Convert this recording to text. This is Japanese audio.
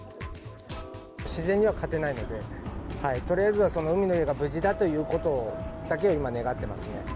自然には勝てないので、とりあえずはその海の家が無事だということだけを今、願ってますね。